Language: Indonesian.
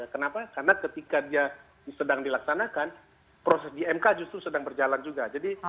kenapa karena ketika dia sedang dilaksanakan proses di mk justru sedang berjalan juga